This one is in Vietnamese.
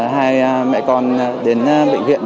hai mẹ con đến bệnh viện